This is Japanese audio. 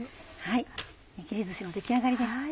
にぎりずしの出来上がりです。